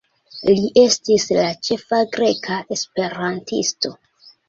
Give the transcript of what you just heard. Li estis la ĉefa greka esperantisto.